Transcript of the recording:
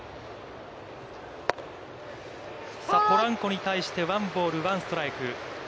さあ、ポランコに対してワンボール、ワンストライク。